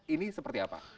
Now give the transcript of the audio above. ini seperti apa